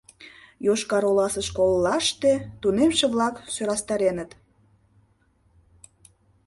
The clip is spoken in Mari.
Йошкар-Оласе школлаште тунемше-влак сӧрастареныт